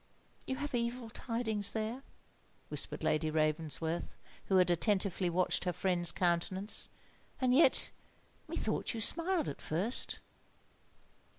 "You have evil tidings there," whispered Lady Ravensworth, who had attentively watched her friend's countenance. "And yet, methought you smiled at first."